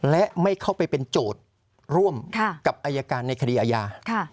และไม่เข้าไปเป็นโจทย์ร่วมกับอายการในคดีอาญา